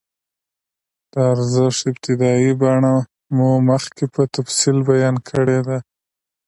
د ارزښت ابتدايي بڼه مو مخکې په تفصیل بیان کړې ده